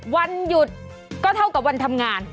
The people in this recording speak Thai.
วันหยุดก็เท่ากับวันทำงาน